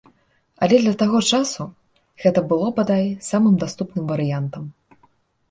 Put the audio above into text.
Але для таго часу гэта было, бадай, самым даступным варыянтам.